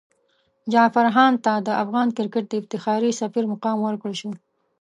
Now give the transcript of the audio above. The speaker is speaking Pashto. جعفر هاند ته د افغان کرکټ د افتخاري سفیر مقام ورکړل شو.